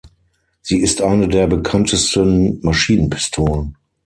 Sie ist eine der bekanntesten Maschinenpistolen.